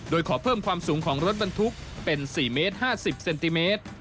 โดยขอเพิ่มความสูงของรถบรรทุกเป็น๔เมตร๕๐เซนติเมตร